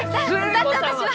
だって私は！